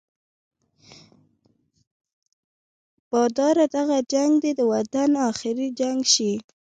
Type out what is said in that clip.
باداره دغه جنګ دې د وطن اخري جنګ شي.